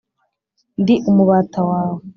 ndi umubata wawe.